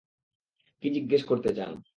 কী জিজ্ঞেস করতে চান?